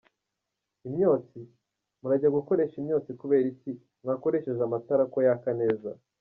Imyotsi ? Murajya gukoresha imyotsi kubera iki mwakoresheje amatara ko yaka neza?".